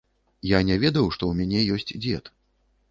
Я не ведаў, што ў мяне ёсць дзед.